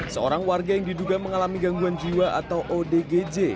seorang warga yang diduga mengalami gangguan jiwa atau odgj